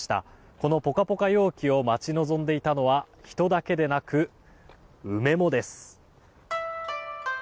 このポカポカ陽気を待ち望んでいたのは人だけでなく梅もです。